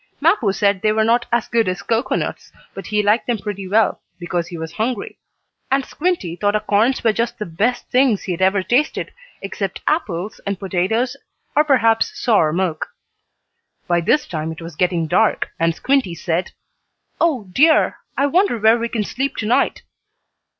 Mappo said they were not as good as cocoanuts, but he liked them pretty well, because he was hungry. And Squinty thought acorns were just the best things he had ever tasted, except apples, and potatoes or perhaps sour milk. By this time it was getting dark, and Squinty said: "Oh dear, I wonder where we can sleep tonight?"